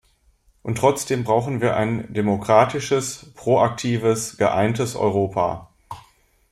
Und trotzdem brauchen wir ein demokratisches, proaktives, geeintes Europa.